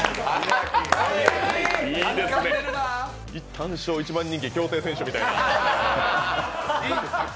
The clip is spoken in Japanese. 単勝一番人気、競艇選手みたいな。